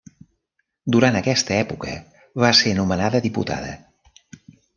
Durant aquesta època va ser nomenada diputada.